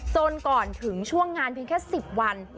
จนก่อนถึงช่วงงานเพียงแค่๑๐วัน